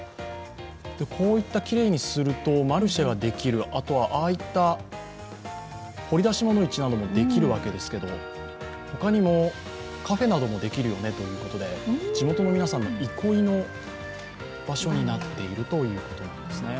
こういったきれいにすると、マルシェはできる、あとはああいった、ほりだしもの市などもできるわけですけど他にも、カフェなどもできるよねということで地元の皆さんの憩いの場所になっているということなんですね。